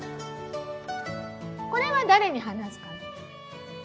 これは誰に話すかな？